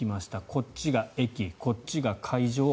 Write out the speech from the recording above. こっちが駅こっちが会場。